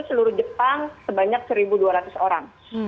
seluruh jepang sebanyak satu dua ratus orang